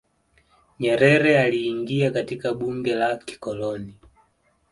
nyerere aliingia katika bunge la kikoloni